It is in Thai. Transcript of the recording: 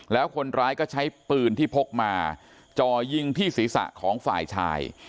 แล้วคนร้ายก็ใช้ปืนที่พกมาจ่อยิงที่ศีรษะของฝ่ายชาย